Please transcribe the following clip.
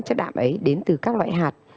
chất đạm ấy đến từ các loại hạt